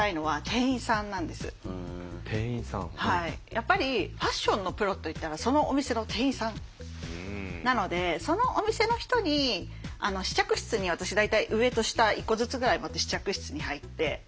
やっぱりファッションのプロと言ったらそのお店の店員さんなのでそのお店の人に試着室に私大体上と下１個ずつぐらい持って試着室に入って。